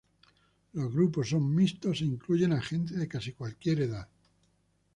Los grupos son mixtos e incluyen a gente de casi cualquier edad.